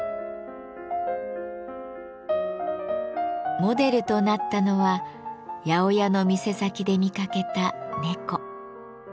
モデルとなったのは八百屋の店先で見かけた猫。